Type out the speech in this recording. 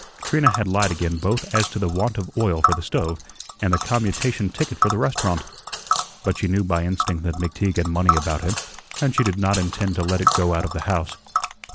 Trina had lied again both as to the want of oil for the stove and the commutation ticket for the restaurant. But she knew by instinct that McTeague had money about him, and she did not intend to let it go out of the house.